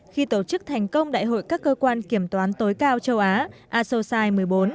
khi tổ chức thành công đại hội các cơ quan kiểm toán tối cao châu á asosai một mươi bốn